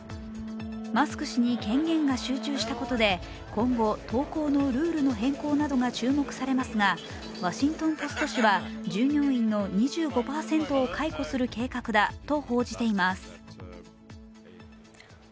マスク氏に権限が集中したことで今後、投稿のルールの変更などが注目されますが「ワシントン・ポスト」紙は従業員の２５％を解雇する計画だと報じています。